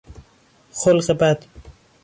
خلق بد